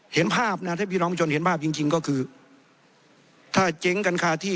เห็นภาพนะถ้าพี่น้องประชาชนเห็นภาพจริงจริงก็คือถ้าเจ๊งกันคาที่